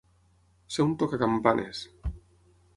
Ser un tocacampanes.